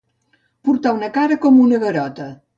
Portar una cara com una garota.